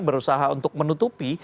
berusaha untuk menutupi